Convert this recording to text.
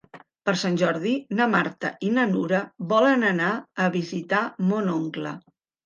Per Sant Jordi na Marta i na Nura volen anar a visitar mon oncle.